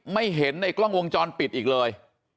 ไม่เห็นในกล้องวงจรปิดอีกเลย